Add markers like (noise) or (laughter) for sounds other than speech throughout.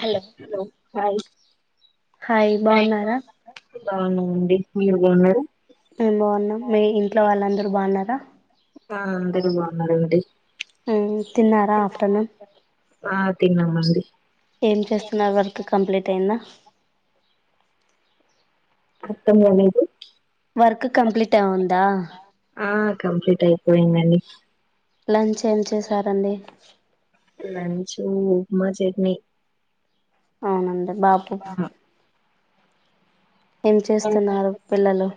hello hello hi hi బాగున్నారా బాగున్నామండి మీరు బాగున్నారా మేం బాగున్నాం మీ ఇంట్లో వాళ్ళందర్ బాగున్నారా ఆ అందరూ బాగున్నారండీ హు తిన్నారా ఆఫ్టర్నూన్ తిన్నాం అండి ఏం చేస్తున్నారు వర్క్ కంప్లీట్ అయిందా అర్థం కాలేదు వర్క్ కంప్లీట్ అవుందా ఆ కంప్లీట్ అయిపోయిందండి లంచ్ ఏం చేసారంండి మా చట్నీ అవునందడి బాకే ఆ, ఏం చేస్తున్నారు పిల్లలు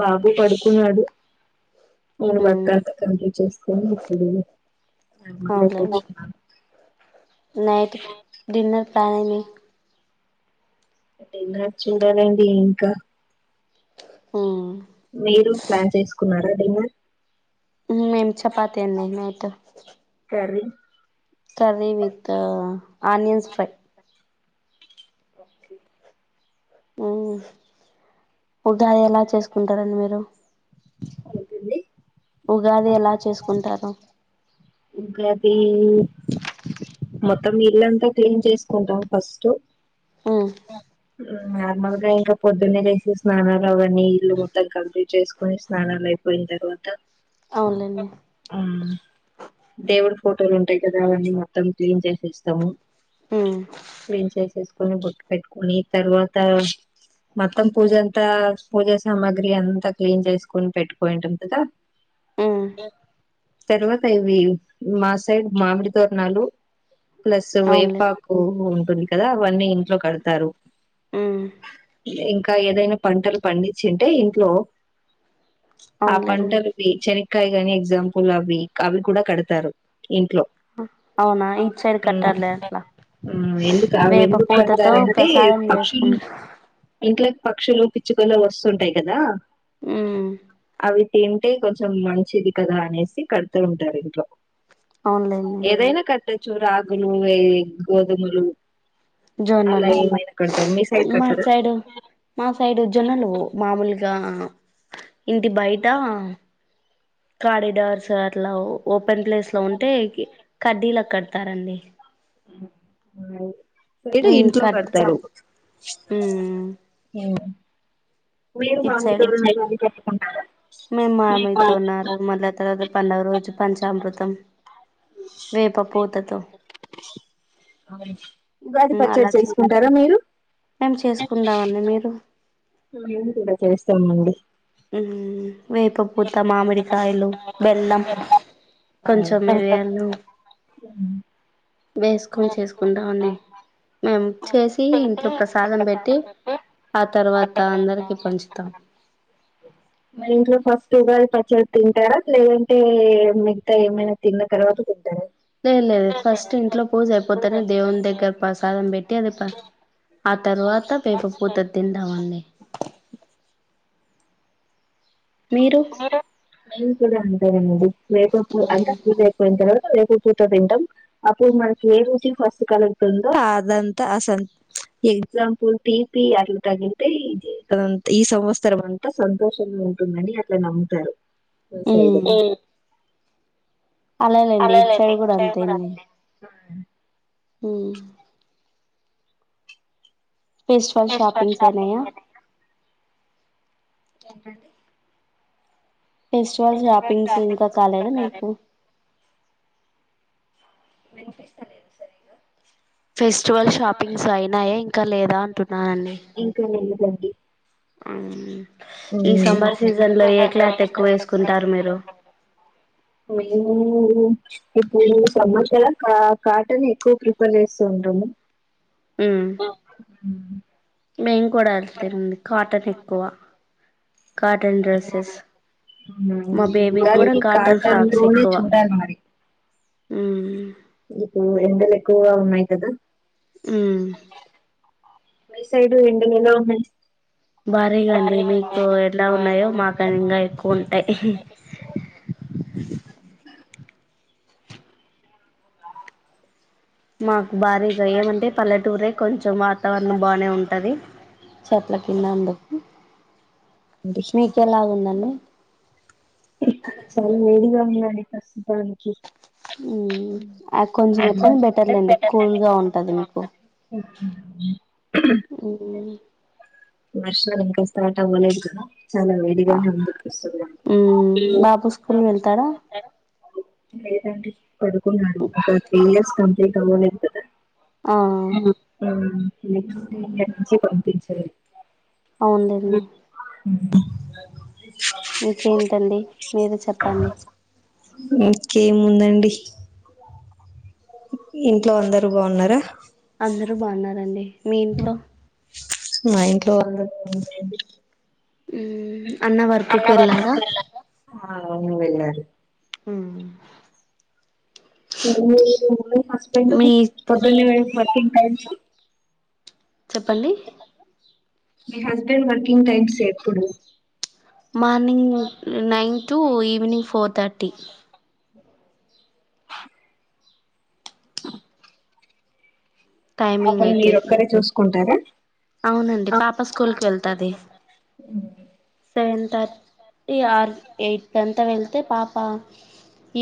బాబు పడుకున్నాడు ను బట్ మ్మ్ క చేస్త పో ఇప్పుడు నార్మల్గా అవున్ లేమి కూర్చున్నాను నైట్ కి డిన్నర్ ప్లాన్ ఏమి అంటే (unintelligible) చూడాలండి ఇంకా ఆ మీరు ప్లాన్ చేసుకున్నారా డిన్నర్ మేం చపాతి అండి night curry curry with onions fry okay మ్మ్ ఉగాది ఎలా చేసుకుంటారండి మీరు ఉంటుంది ఉగాది ఎలా చేసుకుంటారు ఇంకా అది మొత్తం ఇల్లంతా క్లీన్ చేసుకుంటాం ఫస్ట్ మ్మ్ నార్మల్ గా ఇంకా పొద్దున్నే లేేసి స్నానాలు అవన్నీ ఇల్లు మొత్తం కంప్లీట్ చేసుకుని స్నానాలు అయిపోయిన తర్వాత అవునులేండి మ్మ్ దేవుడు ఫోటోలు ఉంటాయి కదా అవన్నీ మొత్తం క్లీన్ చేసేస్తాము ఉమ్ క్లీన్ చేసేస్ అంతే పెట్టుకుని తర్వాత మొత్తం పూజ అంతా పూజా సామాగ్రి అంతా క్లీన్ చేసుకొని పెట్టుకుయింటాం కదా ఉమ్ తర్వాత ఇవి మా సైడ్ మామిడి తోరణాలు ప్లస్ అవునులే వేపాకు ంది కదా అవన్నీ ఇంట్లో కడుత తరు మ్మ్ ఇంకా ఏదైనా పంటలు పండించిింటే ఇంట్లో ఆ అవునులేండి పంటలు వి చెని కాయ కాని ఎగ్జాంపుల్ అవి అవి కూడా కడతారు ఇంట్లో అవునా ఇటు సైడ్ కట్టారులే అట్లా మ్మ్ ఎందుకు ఎందు సాధన చేసుకు ఇంట్లో పక్షులు పిచ్చుకలు వస్తుంటాయి కదా హు అవి తింటే కొంచెం మంచిది కదా అనేసి కడుతూ ఉంటారు ఇంట్లో ఆన్లైన్ అట్టచూ రాగులు ఏ గోధుమలు అలా జొన్నలు ఏమైనా కడతారు మీ సైడ్ మా కడతారా సైడు మా సైడు జనాలు మామూలుగా ఆ ఇంటి బయట కడిడార్స్ అట్లవు ఓపెన్ ప్లేస్ లో ఉంటే కడ్డీలు కడతారండి మ్మ్ (unintelligible) ఉమ్ ఇంట్లో కట్ కడతారు ఉమ్ హు మీరు ఇటు మామిడి సైడు (unintelligible) ఉంటాయి మేము మామిడి తోరణాలు మళ్ళా తర్వాత పండుగ రోజు పంచామృతం వేప పూతతో ఉగాది అలా పచ్చడి చే చేసుకుంటారా మీరు మేం చేసుకుందామండి మీరు మేం కూడా చేస్తాంమండి హు వేపపూత, మామిడికాయలు, బెల్లం కొంచెం, మిరియాలు హు వేసుకొని చేసుకుంటా అండి మేము చేసి ఇంట్లో ప్రసాదం పెట్టి ఆ తర్వాత అందరికి పంచుతాం మరి ఇంట్లో ఫస్ట్ ఉగాది పచ్చడి తింటారా లేదంటే మిగతా ఏమైనా తిన్న తర్వాత తింటారా లే లేదు ఫస్ట్ ఇంట్లో పూజ అయిపోతనే దేవుని దగ్గర ప్రసాదం పెట్టి అది తర్వాత పేప పూత తింటామడి మీరు మీము కూడా అండి సరేనండి వేప పువ్వు అంత పూజ (unintelligible) వేప పూత తింటాం అప్పుడు మనకి ఏ రుచి ఫస్ట్ కలుగుతుందో అదంతా ఎగ్జాంపుల్ తీపి అట్లా తగిలితే ఈ సంవత్సరం అంతా సంతోషంగా ఉంటుందని అట్లే నమ్ముతారు పెసలు ఏ అలాలేండి ఇట్సైడ్ కూడా అంతేండి ఆ మ్మ్ ఫెస్వల్ షాపింగ్సయినాయ ఏంటండి ఫెస్టివల్ షాపింగ్స్ ఇంకా కాలేదా మీకు వినిపిస్తలేదు సరిగ్గా ఫెస్టివల్ షాపింగ్స్ అయినాయా ఇంకా లేదా ఇంకా లేదండి అండి అవున ఈ సమ్మర్ సీజన్ లో ఏ క్లాత్ ఎక్కువ వేసుకుంటారు మీరు మేము ఇప్పుడు (unintelligible) కా కాటన్ ఎక్కువ ప్రిఫర్ చేస్తూ ఉంటా మండి హుమ్ మేము కూడా అట్లనే కాటన్ ఎక్కువ కాటన్ డ్రెస్సెస్ మా బేబీకి కూడా దానికి కాటన్ లోనే చూడాలి మరి మ్మ్ ఇప్పుడు ఎండలు ఎక్కువగా ఉన్నాయి కదా మ్మ్ మీ సైడ్ ఎండలు ఎలా ఉన్నాయి భారీగా అండి మీకు ఎలా ఉన్నాయో మాకని ఇంకా ఎక్కువ ఉంటాయి మాకు భారీగా ఏమంటే పల్లెటూరే కొంచెం వాతావరణం బానే ఉంటది చెట్ల కింద అందుకు మీక ఎలాగుందండి ఇక్కడ చాలా వేడిగా ఉందండి ప్రస్తుతానికి మ్మ్ కొంచెం ఎట్లైన బెటర్లేండి కూల్గా ఉంటది మీకు వర్షాలు ఇంకా స్టార్ట్ అవ్వలేదు కదా చాలా ఆ వేడిగానే ముందుకుస్తుంది మ్ బాబు స్కూల్ వెళ్తాడా లేదండి పడుకున్నాడు త్రీ ఇయర్స్ కంప్లీట్ అవ్వలేదు కదా ఆ మ్మ్ హ్మ్ నెక్స్ట్ ఇయర్ నుంచి పంపించండి అవునులేండి ఇంకేంటండి మీరే చెప్పండి ఇకేముందండి ఇంట్లో అందరు బాన్నారా అందరూ బాగున్నారండి మీ ఇంట్లో మాయింట్ మ్ అన్న వర్క్కి వర్క్ వెళ్ళారా కెల్లల ఆ అ వరిరు హ మ మమ్ హస్బెండ్ మీ పొద్ని పటి చెప్పండి మీ హస్బెండ్ వర్కింగ్ టైమ్స్ ఎప్పుడు morning nine to evening four థటీ అ టైమింగ్ పాపలను అయితే మీరు ఒక్కరే చూసుకుంటారా అవునండి పాప స్కూల్ కి వెళ్తాది ఉ టె ఆర్ ఎయిట్ టె అంత వెళ్తే పాప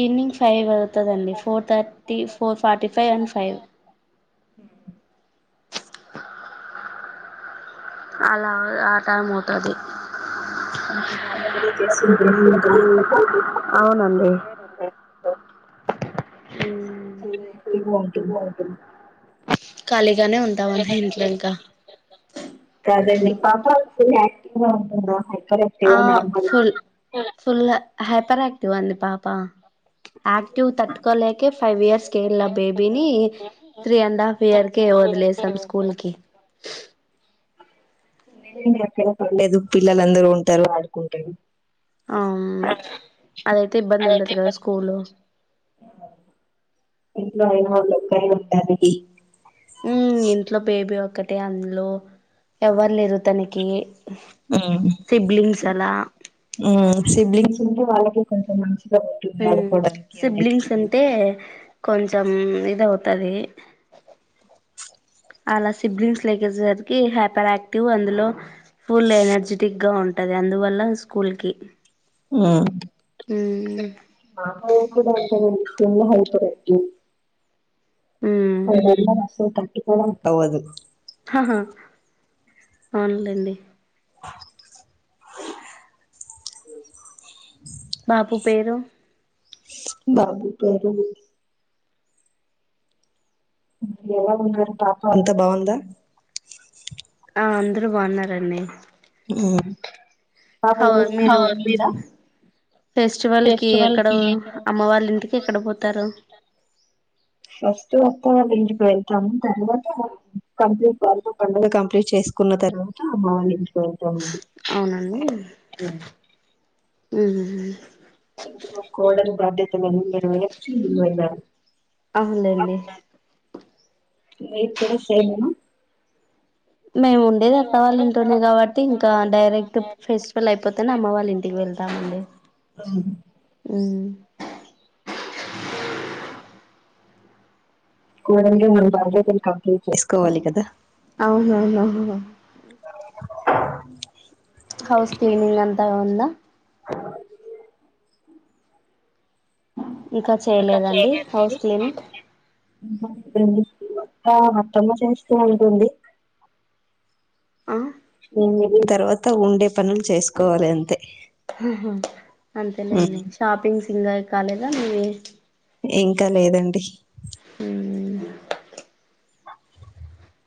ఈవినింగ్ ఫైవ్ అవుతుందండి four thirty four forty five and five హమ్ అలా ఆ టైం అవుతుంది పాప బాగా అల్లరి చేస్తుంటుందా ఇంట్లో అవునండి ఇగో కాలేజ్ ఎల్లగల్గుతావ దీంట్లో ఇంకా కాదండీ అప్పటి వరకు ఫుల్ ఆక్టివ్ గా ఉంటుందండి ఆ ఫుల్ ఫుల్ హైపర్ ఆక్టివ్ అండి పాప యాక్టివ్ తట్టుకోలేకే ఫైవ్ ఇయర్స్ కి వేళ్ల బేబీని త్రీ అండ్ హాఫ్ ఇయర్ కే వదిలేసాం స్కూల్ కి ఎక్కడ పడలేదు పిల్లలుందరు ఉంటారు ఆడుకుంటారు ఆ అదైతే ఇబ్బంది ఉండదు కదా స్కూల్ ఇంట్లో అయినా (inaudible) అంతే అది మ్మ్ ఇంట్లో బేబీ ఉ ఒకటే అందులో ఎవ్వరు లేరు తనకి మ్మ్ సిబ్లింగ్స్ అలా మ్మ్ సిబ్లింగ్స్ ఉంటే వాళ్ళకి కొంచెం మంచి హ సిబ్లింగ్స్ అంతే కొంచెం ఇది అవుతది అలా సిబ్లింగ్స్ లేలెక్కేసేసరికి హ్యాపీ ఆయాక్టివ్ అందులో ఫుల్ ఎనర్జెటిక్ గా ఉంటది అందువల్ల స్కూల్ కి ఆ ఉ మా పిల్లలు కూడా అంతే అండి ఫుల్ హైపర్ యాక్టివ్ ఉమ్ (unintelligible) అవుదు ఆహా అవున్లేండి బాబూ పేరు బాబు పేరు ఎలా ఉన్నారు పాప అంతా బాగుందా ఆ అందరు బాన్నారండి పాప అ ఈరోజు మీరు స్కూల్ కి వెళ్ళిందా ఫెస్టివల్ కి ఎక్కడ అమ్మ వాళ్ళ ఇంటికి ఎక్కడ పోతారు ఫస్ట్ అత్త వాళ్ళ ఇంటికి వెళ్తాము తర్వాత కంప్లీట్ వాళ్ళ పండుగ కంప్లీట్ చేసుకున్న తర్వాత మార్నింగ్ పోయొచ్చామండి మ్మ్ మ్మ్ ఇందులో కోడలు బాధ్యతలు అన్నీ నెరవేర్చి అవునులెండి మీరు కూడా సైలేనా మేము ఉండేది అత్త వాళ్ళ ఇంట్లోనే కాబట్టి ఇంకా డైరెక్ట్ ఫెస్టివల్ అయిపోతేనే అమ్మ వాళ్ళ ఇంటికి వెళ్తామండి కోడలిగా ము బాధ్యతని కంప్లీట్ చేసుకోవాలి కదా అవువువు హౌస్ క్లీనింగ్ అంతా ఉందా ఆ ఇంకా చేయలేదండి హౌస్ క్లినిక్ మత్తా అత్తమ్మ చేస్తూ ఉంటుంది అ న తర్వాత ఉండే పనులు చేసుకోవాలి అంతే అంతేలేండి షాపింగ్ సికా కాలేద ను ఇంకా లేదండి హ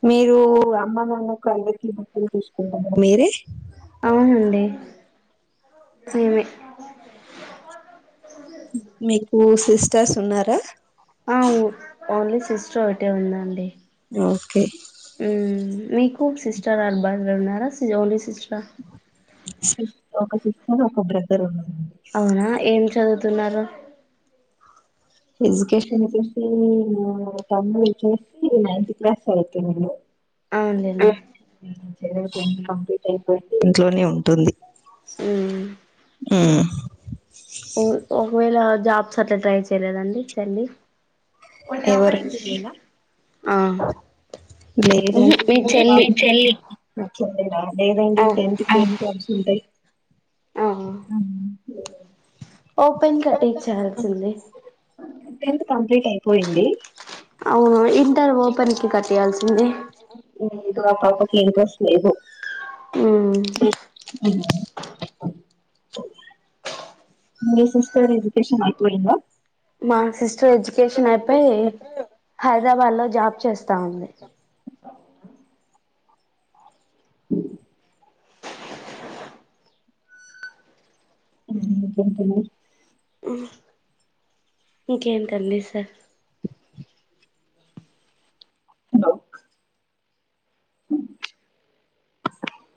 మీరు అమ్మ నాన్నకు అఐవై కిలు బట్టలు తీసుకుంటారా మీరే అవునండి ఏమి మీకు సిస్టర్స్ ఉన్నారా చోటే ఉందండి ఓకే మీకు సిస్టర్ బస్ (unintelligible) స ఒక సిస్టర్ ఒక బ్రదర్ ఉన్న అవునా ఏం చదువుతున్నారు ఎడ్యకేషన్ వచ్చేసి నా తమ్ముడు వచ్చసి నైన్త్ క్లాస్ చదువు తున్నాడు అవునులేండి చదువు కంప్లీట్ అయిపోయి ఇంట్లోనే ఉంటుంది ఉమ్ ఉమ్ ఒకవేళ జాబ్స్ అట్లా ట్రై చేయలేదండి చెల్లి ఎవరండి నేనా ఆ ఉహు లేదండి మీ చెల్లి లేదండి ఆ టెన్త్సి ఉంటాయి హమ్ ఓపెన్ కట్టి చేయాల్సింది టెన్త్ కంప్లీట్ అయిపోయింది అవును ఇంటర్ ఓపెన్ కి కట్టేయాల్సింది ఏమో ఆ పాపకి ఇంట్రెస్ట్ లేదు ఉ అవు మీ సిస్టర్ ఎడ్యుకేషన్ అయిపోయిందా మా సిస్టర్ ఎడ్యుకేషన్ అయిపోయి హైదరాబాద్ లో జాబ్ చేస్తా ఉంది అ (inaudible) ఇంకేం టండి సార్ హలో